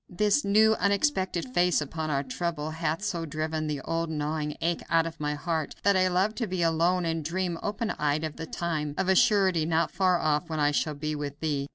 "This new, unexpected face upon our trouble hath so driven the old gnawing ache out of my heart that I love to be alone, and dream, open eyed, of the time, of a surety not far off, when I shall be with thee....